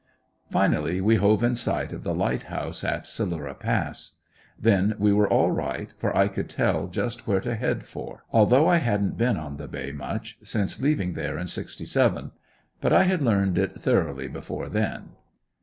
Finally we hove in sight of the light house at Salura Pass. Then we were all right for I could tell just where to head for, although I hadn't been on the Bay much since leaving there in '67. But I had learned it thoroughly before then.